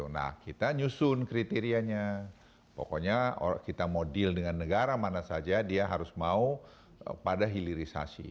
nah kita nyusun kriterianya pokoknya kita mau deal dengan negara mana saja dia harus mau pada hilirisasi